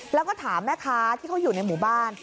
แล้วก็ถามแม่ค้าที่เขาอยู่ในหมู่บ้าน